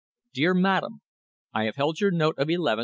Dear Madam: I have held your note of nth inst.